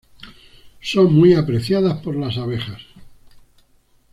Son muy apreciadas por las abejas.